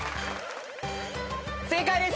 正解です。